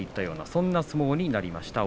そんな相撲になりました。